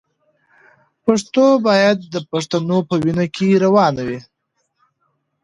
پښتو باید د پښتنو په وینه کې روانه وي.